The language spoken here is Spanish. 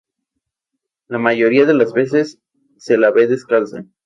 La mayoría de las veces se la ve descalza.